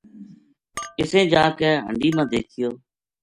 اِسیں جا کے ہنڈی ما دیکھیو